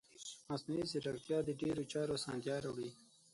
مصنوعي ځیرکتیا د ډیرو چارو اسانتیا راوړي.